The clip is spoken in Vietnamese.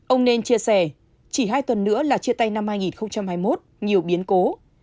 ông nên chia sẻ chỉ hai tuần nữa là chia tay năm hai nghìn hai mươi một nhiều biến cố